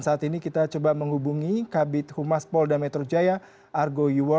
dan tidak bisa dikenali lagi